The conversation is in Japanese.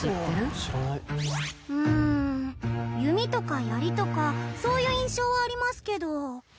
うん弓とか槍とかそういう印象はありますけど。